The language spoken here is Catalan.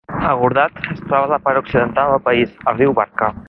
Agordat es troba a la part occidental del país, al riu Barka.